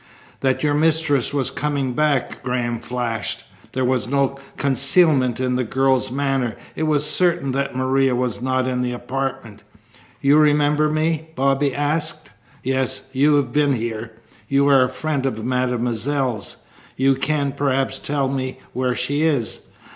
"That your mistress was coming back?" Graham flashed. There was no concealment in the girl's manner. It was certain that Maria was not in the apartment. "You remember me?" Bobby asked. "Yes. You have been here. You are a friend of mademoiselle's. You can, perhaps, tell me where she is."